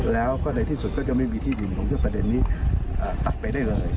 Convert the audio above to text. แล้วก็ในที่สุดก็จะไม่มีที่ดินตรงที่ประเด็นนี้ตัดไปได้เลย